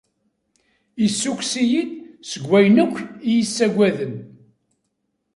Issukkes-iyi-d seg wayen akk i iyi-issaggaden.